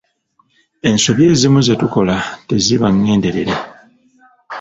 Ensobi ezimu ze tukola teziba ngenderere.